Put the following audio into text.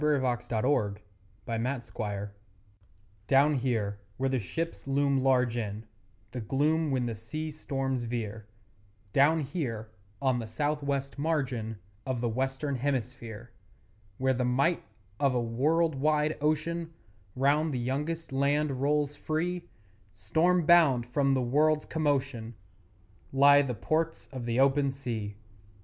_] THE PORTS OF THE OPEN SEA Down here where the ships loom large in The gloom when the sea storms veer, Down here on the south west margin Of the western hemisphere, Where the might of a world wide ocean Round the youngest land rolls free Storm bound from the world's commotion, Lie the Ports of the Open Sea.